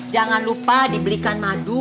jangan lupa dibelikan madu